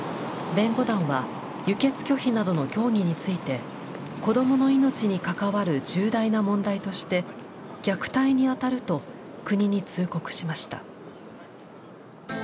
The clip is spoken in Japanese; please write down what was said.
弁護団は輸血拒否などの教義について子供の命に関わる重大な問題として虐待にあたると国に通告しました。